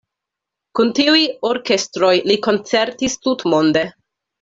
Kun tiuj orkestroj li koncertis tutmonde.